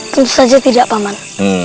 tentu saja tidak paman